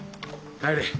帰れ。